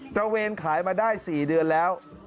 ระเวนขายมาได้๔เดือนแล้ว